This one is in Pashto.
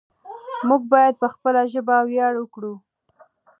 موږ بايد په خپله ژبه وياړ وکړو.